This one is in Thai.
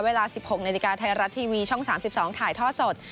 เวลา๑๖นาฬิกาไทยรัฐทีวีช่อง๓๒ถ่ายท่อสด